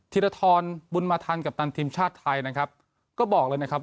ธิรทรบุญมาทันกัปตันทีมชาติไทยนะครับก็บอกเลยนะครับ